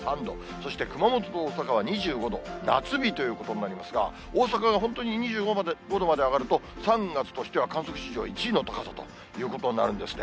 そして熊本と大阪は２５度、夏日ということになりますが、大阪は本当に２５度まで上がると３月としては観測史上１位の高さということになるんですね。